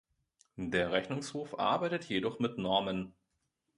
Der Rechnungshof arbeitet jedoch mit Normen.